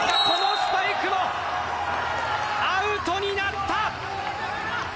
このスパイクもアウトになった。